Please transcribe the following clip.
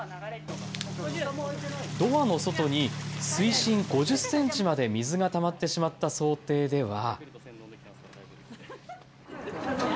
ドアの外に水深５０センチまで水がたまってしまった想定では。